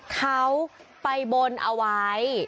เขาไปบนเอาไว้